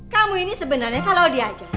kamu ini sebenarnya kalau diajak